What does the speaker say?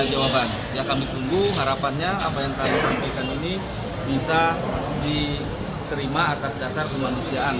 jawaban ya kami tunggu harapannya apa yang kami sampaikan ini bisa diterima atas dasar kemanusiaan